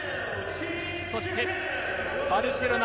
そしてバルセロナ